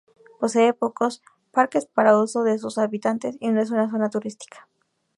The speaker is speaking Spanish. Posee pocos parques para uso de sus habitantes y no es una zona turística.